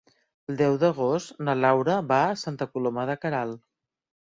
El deu d'agost na Laura va a Santa Coloma de Queralt.